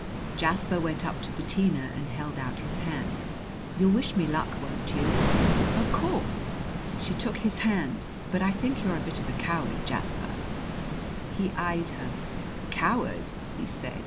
Jasper went up to Bettina and held out his hand. "You'll wish me luck, won't you?" "Of course." She took his hand. "But I think you're a bit of a coward, Jasper!" He eyed her. "Coward!" he said.